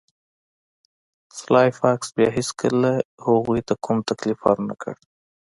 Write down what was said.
سلای فاکس بیا هیڅکله هغوی ته کوم تکلیف ورنکړ